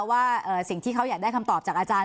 ว่าสิ่งที่เขาอยากได้คำตอบจากอาจารย์